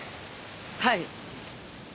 はい。